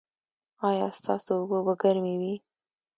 ایا ستاسو اوبه به ګرمې وي؟